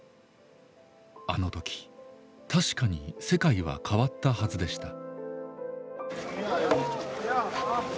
あの時確かに世界は変わったはずでした。